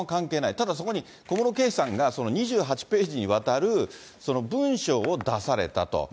ただ、そこに小室圭さんが２８ページにわたる文書を出されたと。